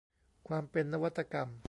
ความเป็นนวัตกรรม